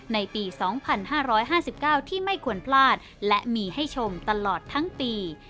ในปี๒๕๕๙ที่ไม่ควรพลาดและมีให้ชมตลอดทั้งปี